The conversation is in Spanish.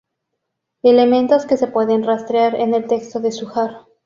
Elementos que se pueden rastrear en el texto de Zújar.